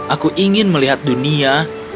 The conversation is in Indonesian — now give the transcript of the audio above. aku ingin melihat dunia